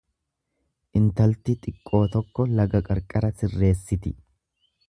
Intalti xiqqoo tokko laga qarqara sirreessiti.